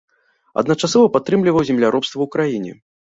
Адначасова падтрымліваў земляробства ў краіне.